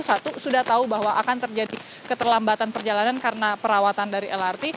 satu sudah tahu bahwa akan terjadi keterlambatan perjalanan karena perawatan dari lrt